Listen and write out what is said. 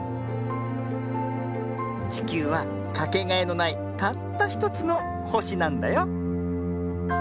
ちきゅうはかけがえのないたったひとつのほしなんだよ。